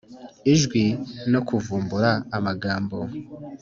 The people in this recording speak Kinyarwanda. ijwi no kuvumbura amagambo